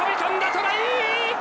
トライ！